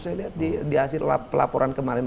saya lihat di hasil pelaporan kemarin